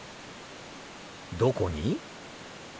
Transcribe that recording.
どこに？